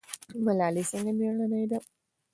ملالۍ څنګه میړنۍ وه؟